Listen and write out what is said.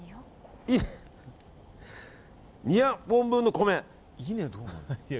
稲２００本分の米。